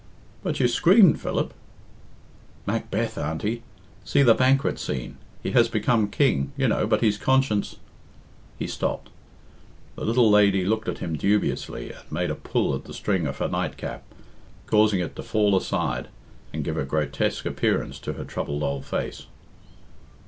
"But you screamed, Philip." "Macbeth, Auntie. See, the banquet scene. He has become king, you know, but his conscience " He stopped. The little lady looked at him dubiously and made a pull at the string of her night cap, causing it to fall aside and give a grotesque appearance to her troubled old face.